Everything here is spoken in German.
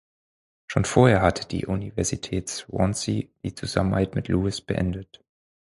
Schon vorher hatte die Universität Swansea die Zusammenarbeit mit Lewis beendet.